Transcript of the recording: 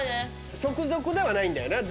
直属ではないんだよな。